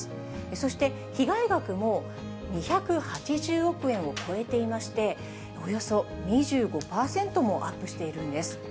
そして被害額も２８０億円を超えていまして、およそ２５％もアップしているんです。